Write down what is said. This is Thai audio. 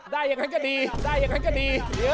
ได้ยังค่ะก็ดี